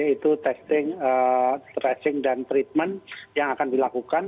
tiga t itu testing tracing dan treatment yang akan dilakukan